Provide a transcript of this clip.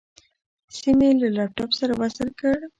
سيم يې له لپټاپ سره وصل کړ.